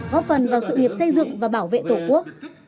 góp phần vào sự nghiệp xây dựng và bảo vệ tổ quốc